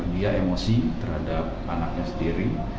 dia emosi terhadap anaknya sendiri